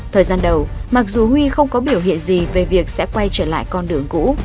thời gian đầu mặc dù huy không có biểu hiện gì về việc sẽ quay trở lại con đường cũ